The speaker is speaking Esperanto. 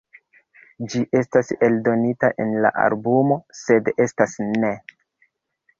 Ĝi estis eldonita en la albumo "Sed estas ne..."